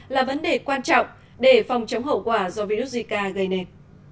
là vấn đề quan trọng để phòng chống hậu quả do virus zika gây nên